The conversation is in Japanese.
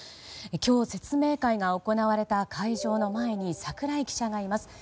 今日、説明会が行われた会場の前に櫻井記者がいます。